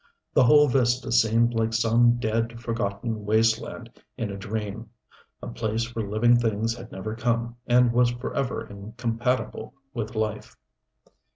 The whole vista seemed like some dead, forgotten wasteland in a dream a place where living things had never come and was forever incompatible with life.